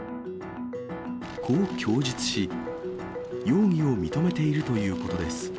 こう供述し、容疑を認めているということです。